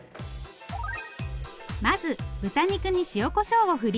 まず豚肉に塩・こしょうを振り。